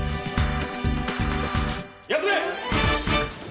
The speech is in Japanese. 休め。